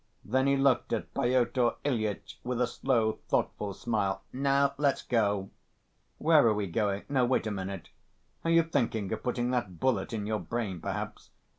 Then he looked at Pyotr Ilyitch with a slow, thoughtful smile. "Now, let's go." "Where are we going? No, wait a minute.... Are you thinking of putting that bullet in your brain, perhaps?"